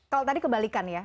kalau tadi kebalikan ya